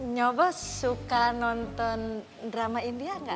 nyobes suka nonton drama india gak